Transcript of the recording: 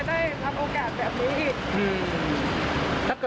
ไม่มีฝันดาแน่นอนค่ะ